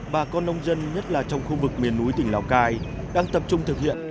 bà con nông dân nhất là trong khu vực miền núi tỉnh lào cai đang tập trung thực hiện